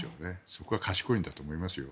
そこは賢いんだと思いますよ。